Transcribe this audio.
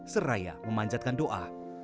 seraya memanjatkan doa